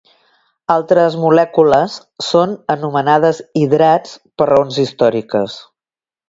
Altres molècules són anomenades hidrats per raons històriques.